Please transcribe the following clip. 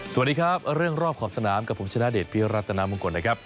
สวัสดีครับเรื่องรอบขอบสนามกับผมชนะเดชพิรัตนามงคลนะครับ